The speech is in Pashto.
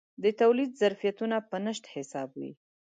د تولید ظرفیتونه په نشت حساب وي.